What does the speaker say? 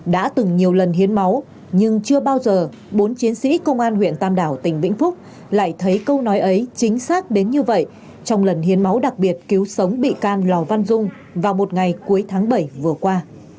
đã từng nhiều lần hiến máu nhưng chưa bao giờ bốn chiến sĩ công an huyện tam đảo tỉnh vĩnh phúc lại thấy câu nói ấy chính xác đến như vậy trong lần hiến máu đặc biệt cứu sống bị can lò văn dung vào một ngày cuối tháng bảy vừa qua